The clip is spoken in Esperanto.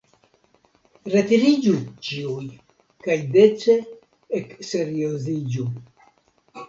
Retiriĝu, ĉiuj, kaj dece ekserioziĝu.